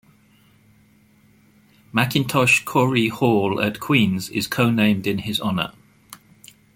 Mackintosh-Corry Hall at Queen's is co-named in his honour.